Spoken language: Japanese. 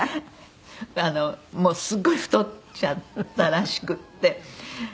もうすごい太っちゃったらしくて。